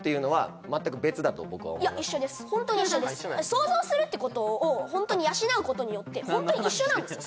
想像するってことをホントに養うことによってホントに一緒なんですよ